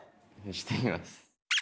してみます。